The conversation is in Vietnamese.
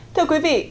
thưa quý vị